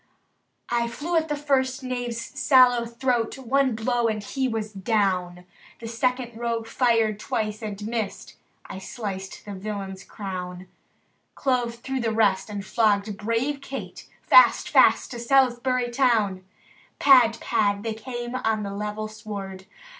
I flew at the first knave's sallow throat. One blow, and he was down. The second rogue fired twice, and missed, I sliced the villain's crown, — Clove through the rest — and flogged brave Kate, Fast, fast to Salisbury town! Pad! pad! they came on the level sward.